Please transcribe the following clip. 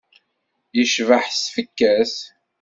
Yecbeḥ s tfekka-s.